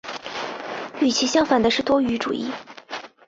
与其相反的是多语主义。